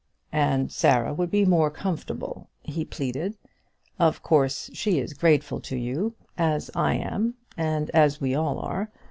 "And Sarah would be more comfortable," he pleaded. "Of course, she is grateful to you, as I am, and as we all are.